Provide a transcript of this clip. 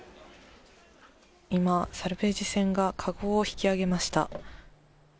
今、サルベージ船がかごを引き揚げました。